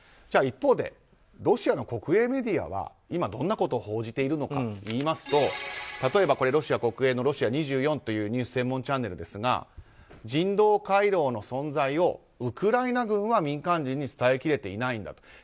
一方でロシアの国営メディアはどんなことを報じているのかといいますと例えば、ロシア国営のロシア２４というニュース専門チャンネルですが人道回廊の存在をウクライナ軍は民間人に伝えてきれていないんだと。